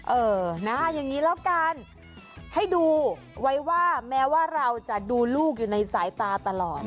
เออนะอย่างนี้แล้วกันให้ดูไว้ว่าแม้ว่าเราจะดูลูกอยู่ในสายตาตลอด